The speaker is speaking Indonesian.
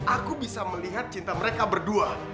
aku bisa melihat cinta mereka berdua